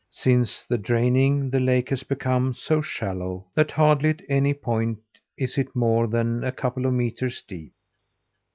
Since the draining the lake has become so shallow that hardly at any point is it more than a couple of metres deep.